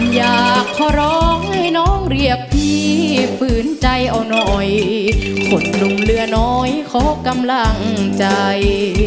อยากขอร้องให้น้องเรียกพี่ฝืนใจเอาหน่อยคนหนุ่มเหลือน้อยขอกำลังใจ